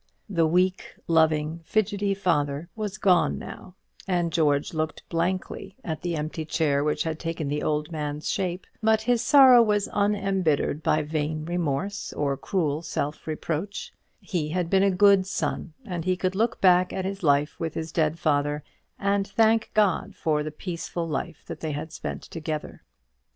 The weak, loving, fidgety father was gone now, and George looked blankly at the empty chair which had taken the old man's shape; but his sorrow was unembittered by vain remorse or cruel self reproach: he had been a good son, and he could look back at his life with his dead father, and thank God for the peaceful life that they had spent together.